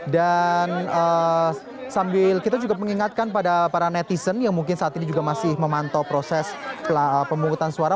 dan sambil kita juga mengingatkan pada para netizen yang mungkin saat ini juga masih memantau proses pemungutan suara